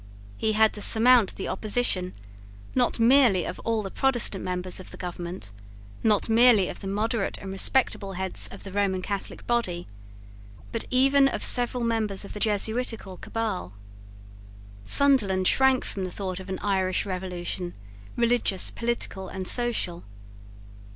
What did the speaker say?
He had to surmount the opposition, not merely of all the Protestant members of the government, not merely of the moderate and respectable heads of the Roman Catholic body, but even of several members of the jesuitical cabal. Sunderland shrank from the thought of an Irish revolution, religious, political, and social.